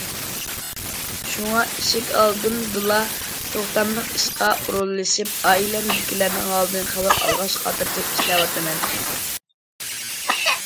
شۇڭا، ئىشىك ئالدىمدىلا توختاملىق ئىشقا ئورۇنلىشىپ، ئائىلەمدىكىلەرنىڭ ھالىدىن خەۋەر ئالغاچ خاتىرجەم ئىشلەۋاتىمەن.